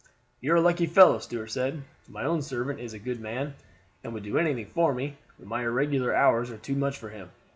"You are a lucky fellow," Stuart said. "My own servant is a good man, and would do anything for me; but my irregular hours are too much for him.